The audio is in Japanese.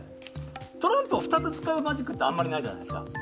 トランプを２つ使うマジックってあんまりないじゃないですか。